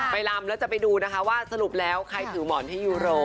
ลำแล้วจะไปดูนะคะว่าสรุปแล้วใครถือหมอนให้ยูโร